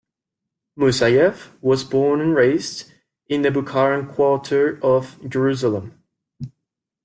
Moussaieff was born and raised in the Bukharan Quarter of Jerusalem.